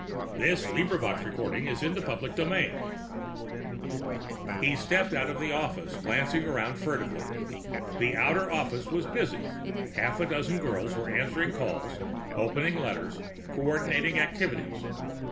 I'll be out of my office for the next half hour." II He stepped out of the office, glancing around furtively. The outer office was busy: half a dozen girls were answering calls, opening letters, coordinating activities.